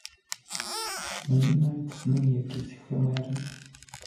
Мені навіть сни якісь химерні.